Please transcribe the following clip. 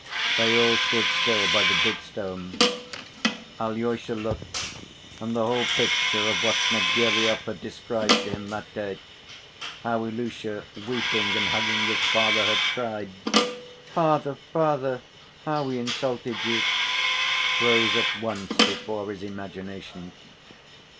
They all stood still by the big stone. Alyosha looked and the whole picture of what Snegiryov had described to him that day, how Ilusha, weeping and hugging his father, had cried, "Father, father, how he insulted you," rose at once before his imagination.